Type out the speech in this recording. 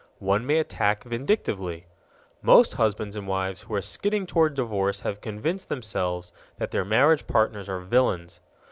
One may attack vindictively._ Most husbands and wives who are skidding toward divorce have convinced themselves that their marriage partners are villains.